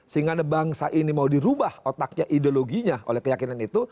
sehingga bangsa ini mau dirubah otaknya ideologinya oleh keyakinan itu